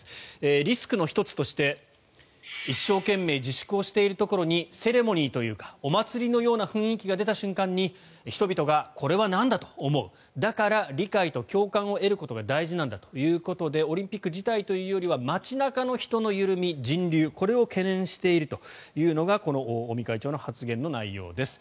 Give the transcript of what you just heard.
リスクの１つとして一生懸命、自粛しているところにセレモニーというかお祭りのような雰囲気が出た瞬間に人々がこれはなんだと思うだから、理解と共感を得ることが大事なんだということでオリンピック自体というよりは街中の人の緩み人流、これを懸念しているというのが尾身会長の発言の内容です。